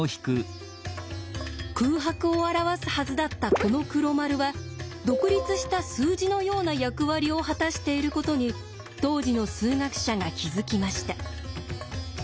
空白を表すはずだったこの黒丸は独立した数字のような役割を果たしていることに当時の数学者が気付きました。